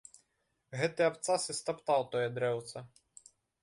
Гэты абцас і стаптаў тое дрэўца!